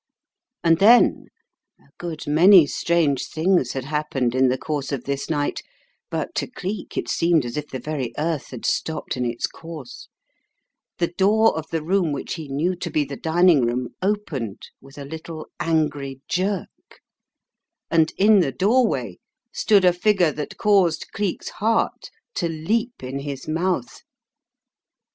And then — a good many strange things had happened in the course of this night, but to Cleek it seemed as if the very earth had stopped in its course, the door of the room which he knew to be the dining room opened with a little angry jerk, and in the doorway stood a figure that caused Cleek's heart to leap in his mouth.